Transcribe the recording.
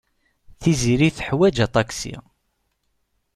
Tiziri teḥwaj aṭaksi.